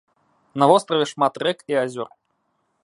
На востраве шмат рэк і азёр.